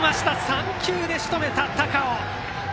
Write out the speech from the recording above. ３球でしとめた、高尾。